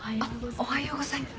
おはようございます。